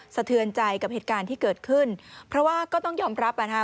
สะเทือนใจกับเหตุการณ์ที่เกิดขึ้นเพราะว่าก็ต้องยอมรับอ่ะนะฮะ